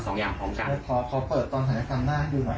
แก่เกลียดระวังหมอ